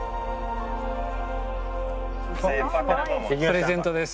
プレゼントです。